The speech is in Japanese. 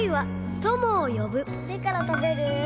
どれからたべる？